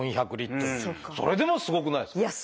それでもすごくないですか？